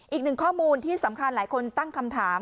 อีกหนึ่งข้อมูลที่สำคัญหลายคนตั้งคำถาม